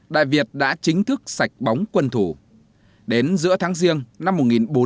đại việt đã chính thức sạch bóng quân thủ đến giữa tháng riêng năm một nghìn bốn trăm bốn mươi